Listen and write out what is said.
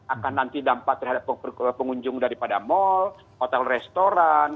akan nanti dampak terhadap pengunjung daripada mal hotel restoran